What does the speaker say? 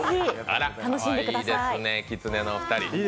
あら、かわいいですね、きつねお二人。